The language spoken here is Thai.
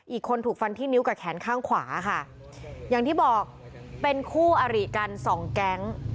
อีกคนถูกฟันที่นิ้วกับแขนข้างขวาค่ะอย่างที่บอกเป็นคู่อริกันสองแก๊ง